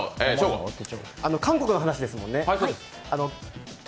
韓国の話ですもんね。